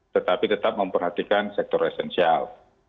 tetapi tetap memperhatikan sektor esensial